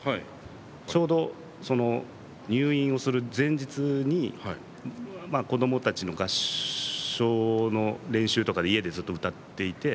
ちょうど入院をする前日に子どもたちの合唱の練習とかで家でずっと歌っていて。